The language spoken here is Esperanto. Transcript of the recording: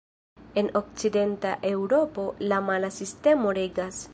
En okcidenta Eŭropo, la mala sistemo regas.